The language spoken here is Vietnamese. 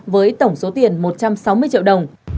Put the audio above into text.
với tổng số tiền một trăm sáu mươi triệu đồng